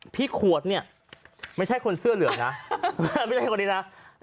ขวดเนี่ยไม่ใช่คนเสื้อเหลืองนะไม่ใช่คนนี้นะ